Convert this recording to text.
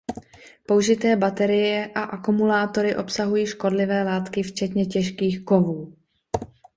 Použité baterie a akumulátory obsahují škodlivé látky včetně těžkých kovů.